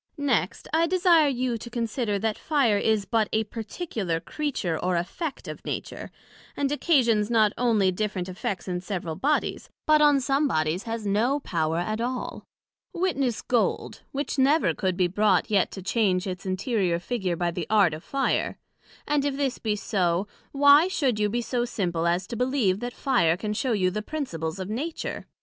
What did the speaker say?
Next, I desire you to consider, that Fire is but a particular Creature, or effect of Nature, and occasions not onely different effects in several Bodies, but on some Bodies has no power at all; witness Gold, which never could be brought yet to change its interior figure by the art of Fire; and if this be so, Why should you be so simple as to believe that Fire can shew you the Principles of Nature?